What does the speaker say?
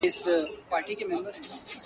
پټ کي څرگند دی.